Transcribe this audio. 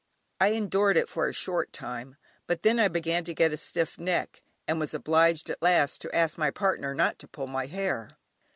I endured it for a short time; but then I began to get a stiff neck, and was obliged at last to ask my partner not to pull my hair.